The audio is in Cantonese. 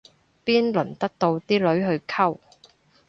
邊輪得到啲女去溝